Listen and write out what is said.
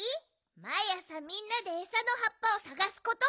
まいあさみんなでえさのはっぱをさがすこと。